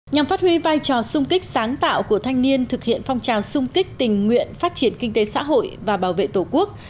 nhằm phát huy vai trò sung kích sáng tạo của thanh niên thực hiện phong trào xung kích tình nguyện phát triển kinh tế xã hội và bảo vệ tổ quốc